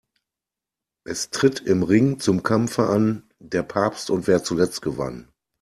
Es tritt im Ring zum Kampfe an: Der Papst und wer zuletzt gewann.